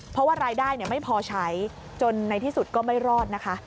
เพราะว่ารายได้ไม่พอใช้จนในที่สุดก็ไม่รอดนะคะ